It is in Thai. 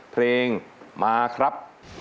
เพลงมาครับ